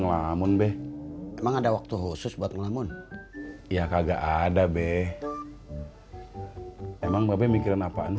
rumah ini kapan dilunasin